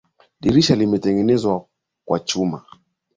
Dirisha limetengenezwa kwa chuma.